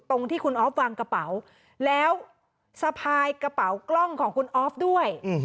ตรงที่คุณออฟวางกระเป๋าแล้วสะพายกระเป๋ากล้องของคุณออฟด้วย